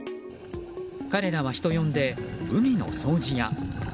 彼らは人呼んで海の掃除屋。